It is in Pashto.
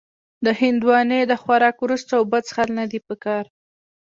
د هندوانې د خوراک وروسته اوبه څښل نه دي پکار.